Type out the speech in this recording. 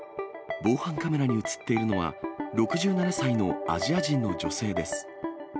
防犯カメラに写っているのは、６７歳のアジア人の女性です。